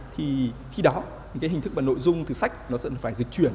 thì khi đó những hình thức và nội dung từ sách sẽ phải dịch chuyển